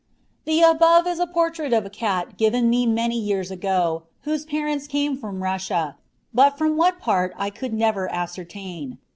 The above is a portrait of a cat given me many years ago, whose parents came from Russia, but from what part I could never ascertain.